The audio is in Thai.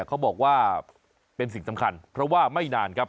เขาบอกว่าเป็นสิ่งสำคัญเพราะว่าไม่นานครับ